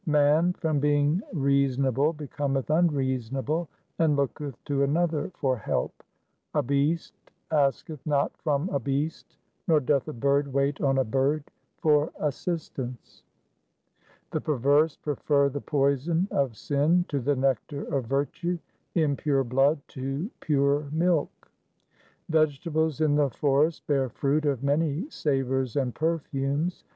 Man from being reasonable becometh unreasonable and looketh to another for help. A beast asketh not from a beast, nor doth a bird wait on a bird for assistance. 1 The perverse prefer the poison of sin to the nectar of virtue, impure blood to pure milk :— Vegetables in the forest bear fruit of many savours and perfumes.